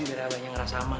kayaknya ngerasa aman